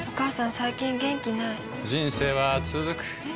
最近元気ない人生はつづくえ？